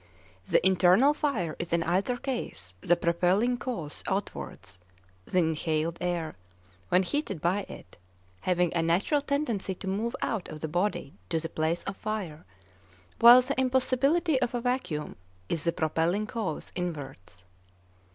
The internal fire is in either case the propelling cause outwards—the inhaled air, when heated by it, having a natural tendency to move out of the body to the place of fire; while the impossibility of a vacuum is the propelling cause inwards.